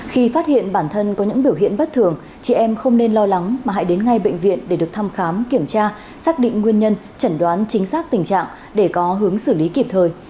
khi phát hiện bản thân có những biểu hiện bất thường chị em không nên lo lắng mà hãy đến ngay bệnh viện để được thăm khám kiểm tra xác định nguyên nhân chẩn đoán chính xác tình trạng để có hướng xử lý kịp thời